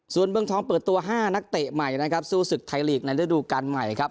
ส่วนเมืองทองเปิดตัว๕นักเตะใหม่นะครับสู้ศึกไทยลีกในฤดูการใหม่ครับ